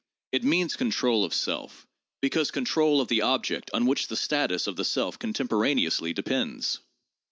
It means control of self, because control of the object on which the status of the self contemporaneously depends.